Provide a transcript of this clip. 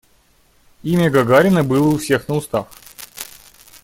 Имя Гагарина было у всех на устах.